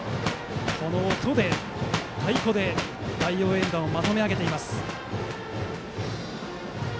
この音で、太鼓で大応援団をまとめ上げています。